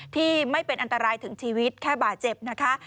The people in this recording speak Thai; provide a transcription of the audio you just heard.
ที่ไม่เป็นอันตรายถึงชีวิตแค่บาดเจ็บนะคะ